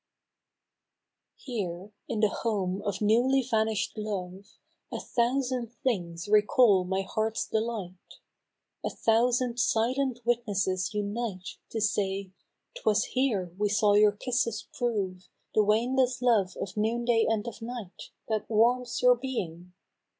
HERE, in the home of newly vanished love, A thousand things recall my heart's delight, A thousand silent witnesses unite To say, " 'Twas here we saw your kisses prove The waneless love of noonday and of night That warms your being